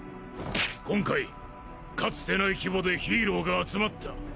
今回かつてない規模でヒーローが集まった。